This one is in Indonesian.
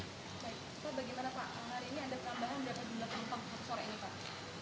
pak bagaimana pak hari ini ada penambahan berapa jumlah penumpang untuk sore ini pak